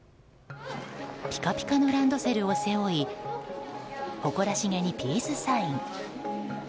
ピカピカのランドセルを背負い誇らしげにピースサイン。